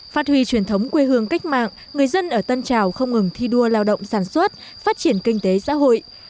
phát huy truyền thống quê hương cách mạng người dân ở tân trào không ngừng thi đua lao động sản xuất phát triển kinh tế xã hội